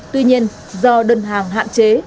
tuy nhiên do đơn hàng hạn chế